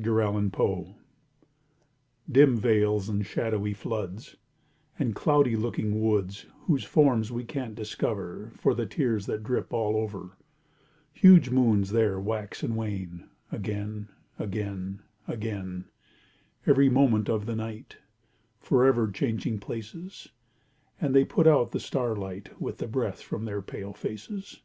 FAIRY LAND Dim vales—and shadowy floods— And cloudy looking woods, Whose forms we can't discover For the tears that drip all over Huge moons there wax and wane— Again—again—again— Every moment of the night— Forever changing places— And they put out the star light With the breath from their pale faces.